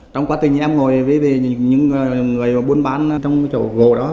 trong quá trình em ngồi với những người muốn bán trong chỗ gỗ đó